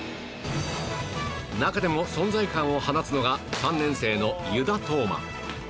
中でも存在感を放つのが３年生の湯田統真。